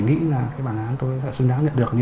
tù nhân dân thành phố hải phòng